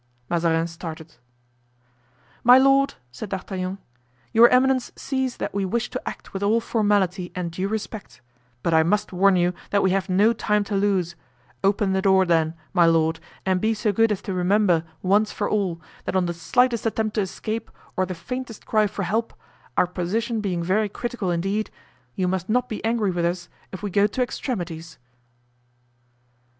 Mazarin started. "My lord," said D'Artagnan, "your eminence sees that we wish to act with all formality and due respect; but I must warn you that we have no time to lose; open the door then, my lord, and be so good as to remember, once for all, that on the slightest attempt to escape or the faintest cry for help, our position being very critical indeed, you must not be angry with us if we go to extremities."